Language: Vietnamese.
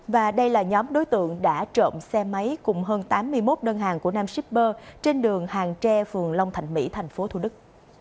và đây là nhóm đối tượng đã trộm xe máy cùng hơn tám mươi một đơn hàng của nam shipper trên đường hàng tre phường long thạnh mỹ tp thủ đức